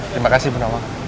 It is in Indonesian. terima kasih bunda wang